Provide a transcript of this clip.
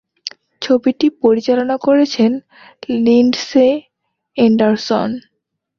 ছবিটি পরিচালনা করেছেন লিন্ডসে এন্ডারসন।